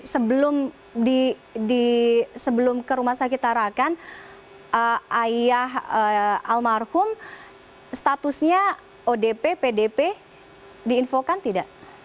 sebelum ke rumah sakit tarakan ayah almarhum statusnya odp pdp diinfokan tidak